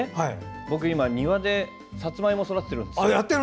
僕、今、庭でさつまいもを育ててるんです。